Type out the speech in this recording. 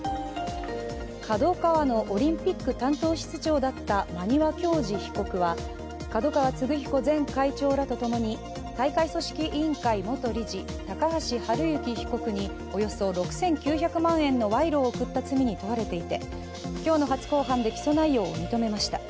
ＫＡＤＯＫＡＷＡのオリンピック担当室長だった馬庭教二被告は角川歴彦前会長らとともに大会組織委員会元理事、高橋治之被告におよそ６９００万円の賄賂を贈った罪に問われていて、今日の初公判で起訴内容を認めました。